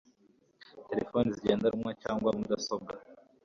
telefoni zigendanwa cyangwa mudasobwa